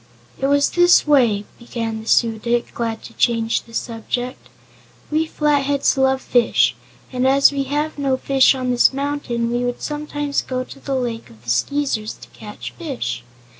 "It was this way," began the Su dic, glad to change the subject. "We Flatheads love fish, and as we have no fish on this mountain we would sometimes go to the Lake of the Skeezers to catch fish.